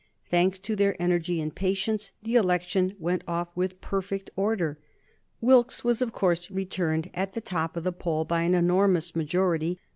Thanks to their energy and patience, the election went off with perfect order. Wilkes was, of course, returned at the top of the poll by an enormous majority.